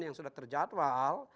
yang sudah terjadwal